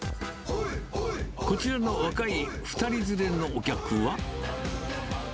こちらの若い２人連れのお客は。